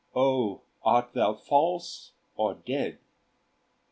O art thou false or dead?"